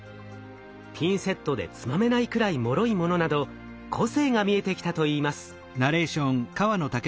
ピンセットでつまめないくらいもろいものなど個性が見えてきたといいます。